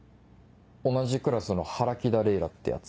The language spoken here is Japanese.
同じクラスの原木田れいらってヤツ。